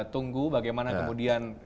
tunggu bagaimana kemudian